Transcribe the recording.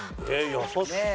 優しい。